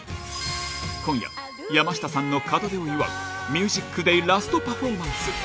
今夜、山下さんの門出を祝う、ＴＨＥＭＵＳＩＣＤＡＹラストパフォーマンス。